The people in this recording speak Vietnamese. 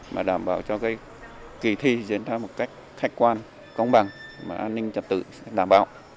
mà đảm bảo cho kỳ thi diễn ra một cách khách quan công bằng mà an ninh trật tự đảm bảo